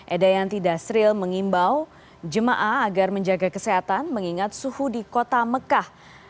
eda yang tidak sril mengimbau jemaah agar menjaga kesehatan mengingat suhu di kota mekah